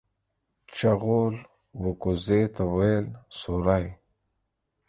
چغول و کوزې ته ويل سورۍ.